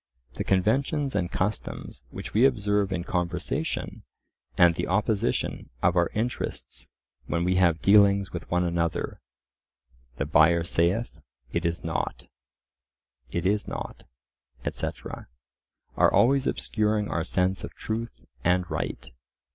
The conventions and customs which we observe in conversation, and the opposition of our interests when we have dealings with one another ("the buyer saith, it is nought—it is nought," etc.), are always obscuring our sense of truth and right.